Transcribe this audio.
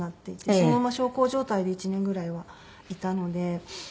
そのまま小康状態で１年ぐらいはいたので。